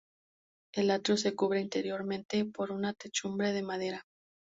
El atrio se cubre interiormente por una techumbre de madera.